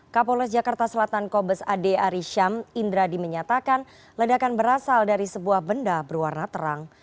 kapolres jakarta selatan kobes ade arisham indradi menyatakan ledakan berasal dari sebuah benda berwarna terang